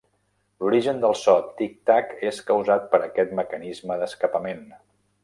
L'origen del so "tic tac" és causat per aquest mecanisme d'escapament.